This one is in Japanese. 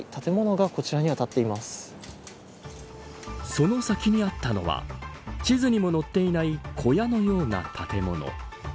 その先にあったのは地図にも載っていない小屋のような建物。